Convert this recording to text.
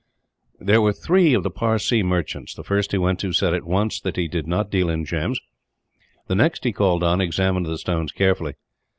There were three of the Parsee merchants. The first he went to said, at once, that he did not deal in gems. The next he called on examined the stones carefully.